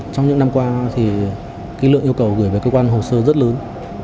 trong những năm qua thì lượng yêu cầu gửi về cơ quan hồ sơ rất lớn